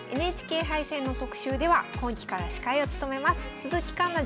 ＮＨＫ杯戦の特集では今期から司会を務めます鈴木環那